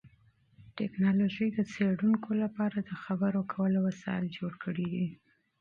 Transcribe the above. ټیکنالوژي د معلولینو لپاره د خبرو کولو وسایل جوړ کړي دي.